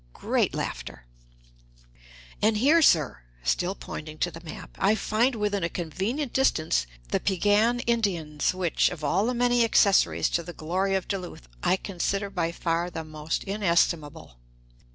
(Great laughter.) And here, sir (still pointing to the map), I find within a convenient distance the Piegan Indians, which, of all the many accessories to the glory of Duluth, I consider by far the most inestimable.